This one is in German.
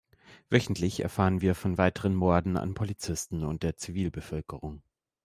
Wöchentlich erfahren wir von weiteren Morden an Polizisten und der Zivilbevölkerung.